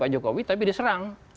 pak jokowi tapi diserang